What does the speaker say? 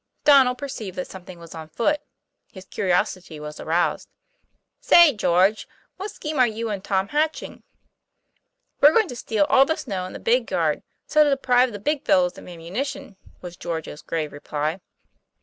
Donnel perceived that something was on foot; his curiosity was aroused. '' Say, George, what scheme are you and Tom hatching?" 'We're going to steal all the snow in the big yard, so's to deprive the big fellows of ammunition," was George's grave reply.